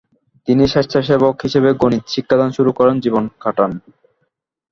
তিনি স্বেচ্ছাসেবক হিসেবে গণিত শিক্ষাদান শুরু করে জীবন কাটেন।